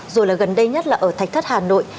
rồi là gần đây nhất là ở thạch thất hà nội